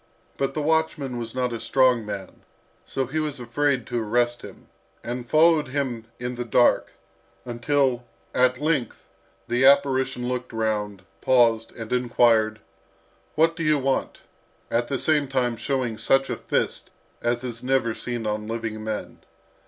But the watchman was not a strong man, so he was afraid to arrest him, and followed him in the dark, until, at length, the apparition looked round, paused, and inquired, "What do you want?" at the same time showing such a fist as is never seen on living men.